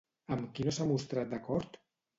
Amb qui no s'ha mostrat d'acord?